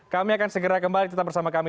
kami akan segera kembali tetap bersama kami